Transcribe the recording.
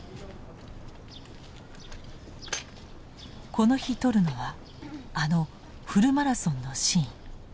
この日撮るのはあの「フルマラソン」のシーン。